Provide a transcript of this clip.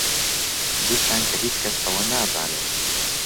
گوتتان کە هیچ کەس ئەوە نازانێت